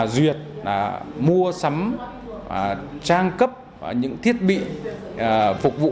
duyệt mua sắm trang cấp những thiết bị phục vụ